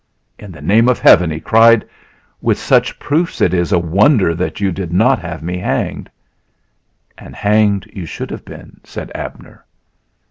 "In the name of Heaven!" he cried. "With such proofs it is a wonder that you did not have me hanged." "And hanged you should have been," said Abner.